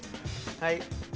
はい。